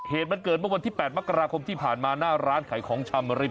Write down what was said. เหตุมันเกิดเมื่อวันที่๘มกราคมที่ผ่านมาหน้าร้านขายของชำริม